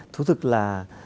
thú thực là